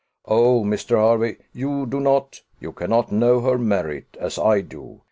Oh, Mr. Hervey, you do not you cannot know her merit, as I do.